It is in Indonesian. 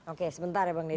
oke sebentar ya bang deddy